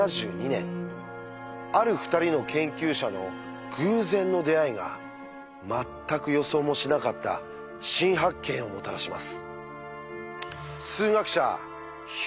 ある２人の研究者の偶然の出会いが全く予想もしなかった新発見をもたらします。